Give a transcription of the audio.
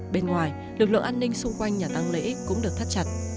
bên ngoài lực lượng an ninh xung quanh nhà tăng lễ cũng được thắt chặt